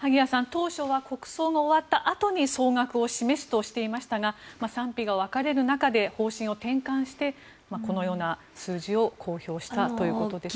当初は国葬が終わったあとに総額を示すとしていましたが賛否が分かれる中で方針を転換してこのような数字を公表したということですが。